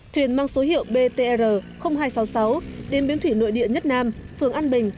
thuyền mang số hiệu btr hai trăm sáu mươi sáu đến biến thủy nội địa nhất nam phường an bình